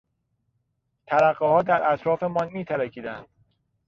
ترقهها در اطرافمان میترکیدند.